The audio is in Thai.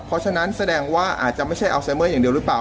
เพราะฉะนั้นแสดงว่า